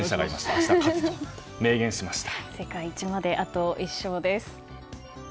明日、勝つと明言しました。